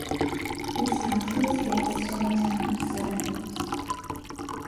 Its council is based in the town of Sevenoaks.